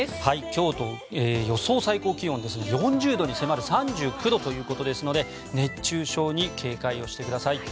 京都、予想最高気温４０度に迫る３９度ということですので熱中症に警戒をしてください。